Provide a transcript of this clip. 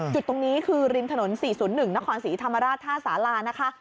จุดตรงนี้คือริมถนนสี่ศูนย์หนึ่งนครศรีธรรมาราชท่าสารานะคะ